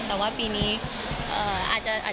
แต่ว่าปีนี้อาจจะ